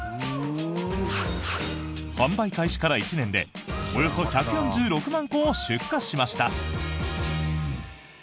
販売開始から１年でおよそ１４６万個を出荷しました。